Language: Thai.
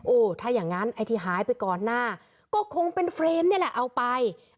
โอ้โหถ้าอย่างนั้นไอ้ที่หายไปก่อนหน้าก็คงเป็นเฟรมนี่แหละเอาไป